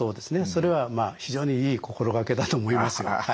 それはまあ非常にいい心掛けだと思いますよ。